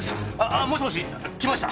あもしもし？来ました。